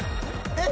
えっ？